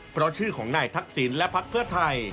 เพราะชื่อของนายทักษิณและพักเพื่อไทย